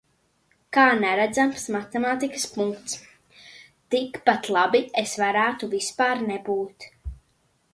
Kā neredzams matemātisks punkts. Tik pat labi es varētu vispār nebūt.